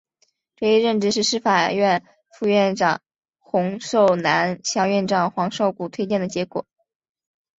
这一任职是司法院副院长洪寿南向院长黄少谷推荐的结果。